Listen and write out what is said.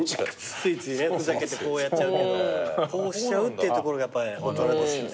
ついついふざけてこうやっちゃうけどこうしちゃうっていうところが大人ですよね。